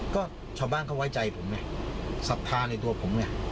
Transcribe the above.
ก็ชาวบ้านเขาไว้ใจผมเนี่ยสะพานในตัวผมเนี่ย